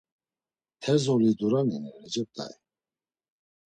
Terzoğli Durani’ni, Recep dayi.